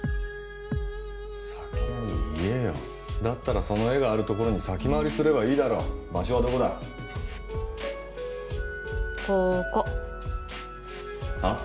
先に言えよだったらその絵があるところに先回りすればいいだろ場所はどこだこーこはっ？